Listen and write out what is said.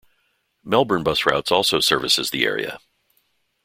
Melbourne bus routes also services the area.